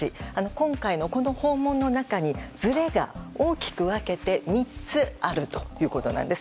今回のこの訪問の中に、ずれが大きく分けて３つあるということなんです。